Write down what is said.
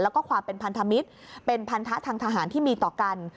แล้วก็ความเป็นพันธมิตรเป็นพันธะทางทหารที่มีต่อกัน